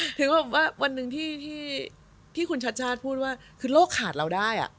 จนถึงแบบวันหนึ่งที่คุณชาชาพูดว่าคือโลกขาดเราได้อะ